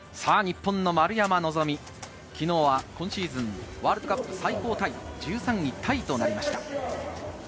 日本の丸山希、昨日は今シーズン、ワールドカップ最高１３位タイとなりました。